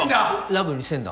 ラブ２０００だ